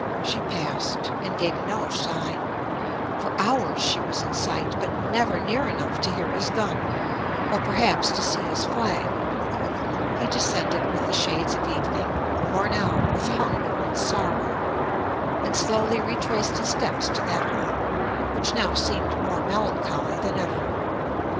she passed, and gave no sign; for hours she was in sight, but never near enough to hear his gun, or perhaps to see his flag: he descended with the shades of evening, worn out with hunger and sorrow, and slowly retraced his steps to that home, which now seemed more melancholy than ever.